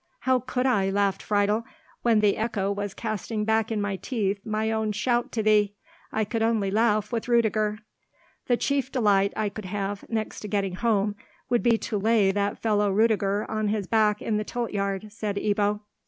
"How could I," laughed Friedel, "when the echo was casting back in my teeth my own shout to thee? I could only laugh with Rudiger." "The chief delight I could have, next to getting home, would be to lay that fellow Rudiger on his back in the tilt yard," said Ebbo.